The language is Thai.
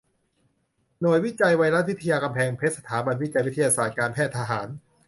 หน่วยวิจัยไวรัสวิทยากำแพงเพชรสถาบันวิจัยวิทยาศาสตร์การแพทย์ทหาร